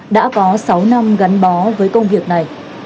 đã có sáu năm gắn bó với công việc này